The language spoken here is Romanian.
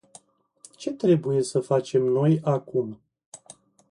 Ce trebuie să facem noi acum?